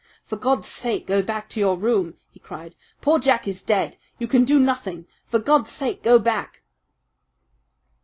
"For God's sake, go back to your room!" he cried. "Poor Jack is dead! You can do nothing. For God's sake, go back!"